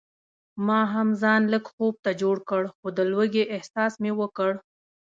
ما هم ځان لږ خوب ته جوړ کړ خو د لوږې احساس مې وکړ.